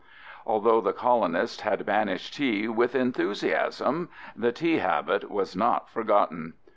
Although the colonists had banished tea "with enthusiasm," the tea habit was not forgotten.